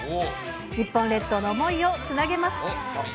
日本列島の想いをつなげます。